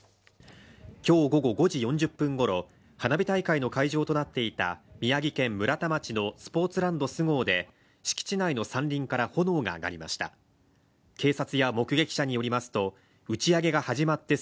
今日午後５時４０分ごろ、花火大会の会場となっていた宮城県村田町のスポーツランドＳＵＧＯで敷地内の山林から炎が上がりました。